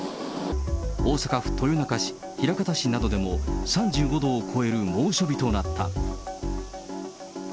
大阪府豊中市、枚方市などでも３５度を超える猛暑日となった。